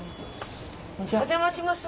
お邪魔します。